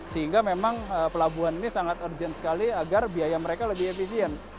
sehingga memang pelabuhan ini sangat urgent sekali agar biaya mereka lebih efisien